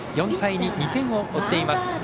４対２、２点を追っています。